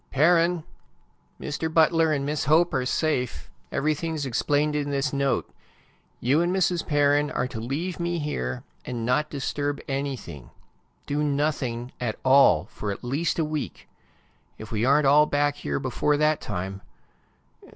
"Perrin! Mr. Butler and Miss Hope are safe. Everything is explained in this note. You and Mrs. Perrin are to leave me here, and not disturb anything. Do nothing at all for at least a week. If we aren't all back here before that time